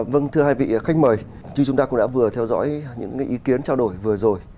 vâng thưa hai vị khách mời như chúng ta cũng đã vừa theo dõi những ý kiến trao đổi vừa rồi